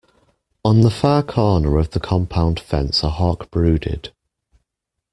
On the far corner of the compound fence a hawk brooded.